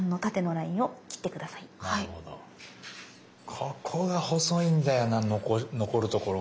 ここが細いんだよな残るところが。